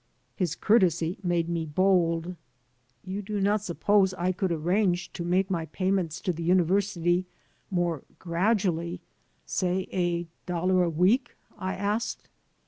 His courtesy made me bold. "You do not suppose IN THE MOLD I could arrange to make my payments to the university more gradually, say a dollar a week?" I asked.